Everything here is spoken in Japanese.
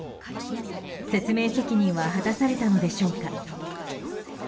説明責任は果たされたのでしょうか。